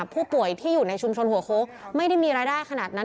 ผู้ป่วยที่อยู่ในชุมชนหัวโค้กไม่ได้มีรายได้ขนาดนั้น